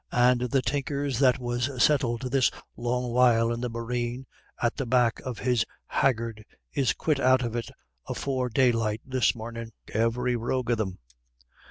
And the Tinkers that was settled this long while in the boreen at the back of his haggard is quit out of it afore daylight this mornin', every rogue of them.